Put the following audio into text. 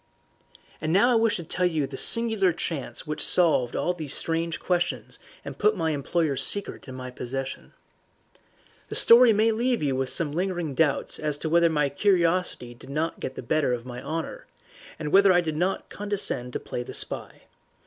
And now I wish to tell you the singular chance which solved all these strange questions and put my employer's secret in my possession. The story may leave you with some lingering doubts as to whether my curiosity did not get the better of my honour, and whether I did not condescend to play the spy.